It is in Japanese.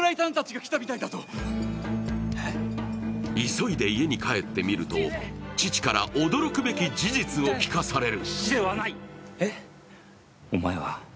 急いで家に帰ってみると、父から驚くべき事実を聞かされる。